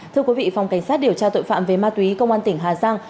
thưa quý vị phòng cảnh sát điều tra tội phạm về ma túy công an tỉnh hà giang